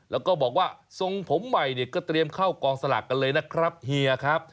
แล้วก็บอกว่าทรงผมใหม่เนี่ยก็เตรียมเข้ากองสลากกันเลยนะครับเฮียครับ